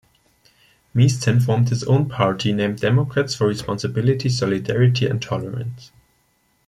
Mestan formed his own party, named Democrats for Responsibility, Solidarity and Tolerance.